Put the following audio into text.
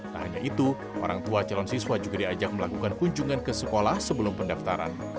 tak hanya itu orang tua calon siswa juga diajak melakukan kunjungan ke sekolah sebelum pendaftaran